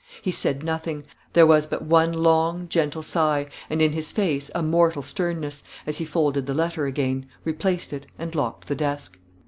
He said nothing; there was but one long, gentle sigh, and in his face a mortal sternness, as he folded the letter again, replaced it, and locked the desk.